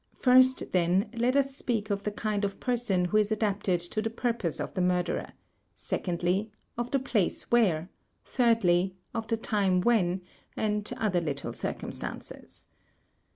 First, then, let us speak of the kind of person who is adapted to the purpose of the murderer; sec ondly, of the place where; thirdly y of the time when, and other little circumstances.